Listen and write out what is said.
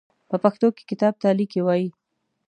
په پښتو کې کتاب ته ليکی وايي.